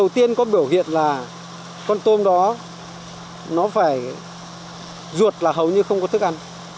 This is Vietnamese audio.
đầu tiên có biểu hiện là con tôm đó nó phải ruột là hầu như không có thức ăn